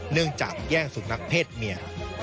เนื่องจากแย่งสุนัขเพศเมีย